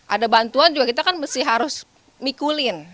ada bantuan juga kita kan mesti harus mikulin